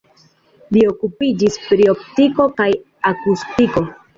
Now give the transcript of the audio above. Li okupiĝis pri optiko kaj akustiko.